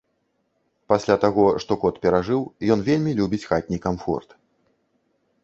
Пасля таго, што кот перажыў, ён вельмі любіць хатні камфорт.